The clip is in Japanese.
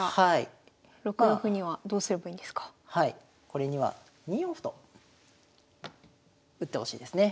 これには２四歩と打ってほしいですね。